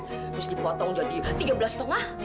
terus dipotong jadi tiga belas lima